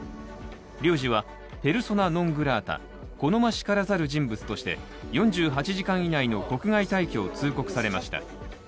領事はペルソナ・ノン・グラータ＝好ましからざる人物として４８時間以内の国外退去を通告されました。